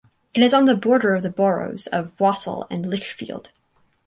It is on the border of the boroughs of Walsall and Lichfield.